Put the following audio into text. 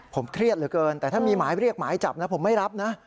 ผมเครียดเหลือเกินแต่ถ้ามีหมายเรียกหมายจับนะผมไม่รับนะ